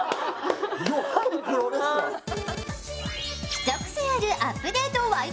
一癖あるアップデート